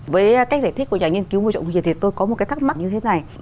với cách giải thích của nhà nghiên cứu ngô trọng huyền thì tôi có một cái thắc mắc như thế này